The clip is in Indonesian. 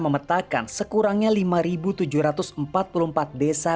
memetakan sekurangnya lima tujuh ratus empat puluh empat desa